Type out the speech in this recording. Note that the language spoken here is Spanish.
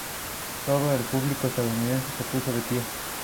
Todo el público estadounidense se puso de pie.